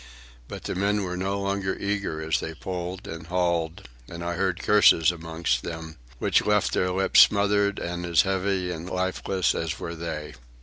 But the men were no longer eager as they pulled and hauled, and I heard curses amongst them, which left their lips smothered and as heavy and lifeless as were they.